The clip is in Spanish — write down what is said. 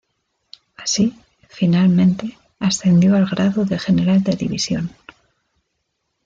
Así, finalmente ascendió al grado de General de División.